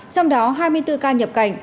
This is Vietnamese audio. trong đó hai mươi bốn ca nhập cảnh